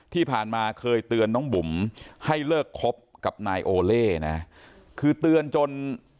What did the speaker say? ที่ผ่านมาเคยเตือนน้องบุ๋มให้เลิกคบกับนายโอเล่นะคือเตือนจน